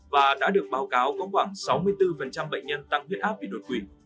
và đã được báo cáo có khoảng sáu mươi bốn bệnh nhân tăng huyết áp vì đột quỵ